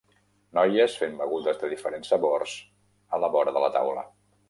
Noies fent begudes de diferents sabors a la vora de la taula